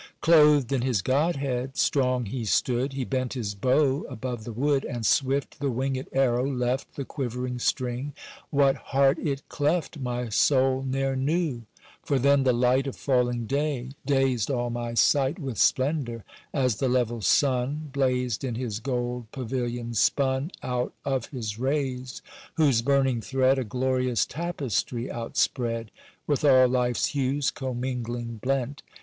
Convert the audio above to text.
Clothed in his godhead strong he stood, He bent his bow above the wood, And swift the wingèd arrow left The quivering string—what heart it cleft My soul ne'er knew, for then the light Of falling day dazed all my sight With splendour, as the level sun Blazed in his gold pavilion spun Out of his rays whose burning thread A glorious tapestry outspread With all life's hues commingling blent.